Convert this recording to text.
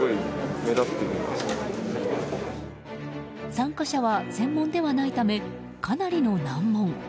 参加者は専門ではないためかなりの難問。